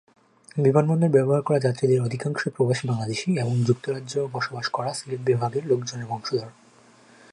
বিমানবন্দর ব্যবহার করা যাত্রীদের অধিকাংশই প্রবাসী বাংলাদেশী এবং যুক্তরাজ্য বসবাস করা সিলেট বিভাগ-এর লোকজনের বংশধর।